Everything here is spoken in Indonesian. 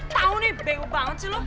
tau nih benguk banget sih lu